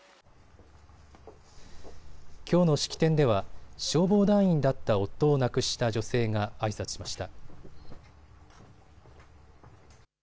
きょうの式典では消防団員だった夫を亡くした女性があいさつしました。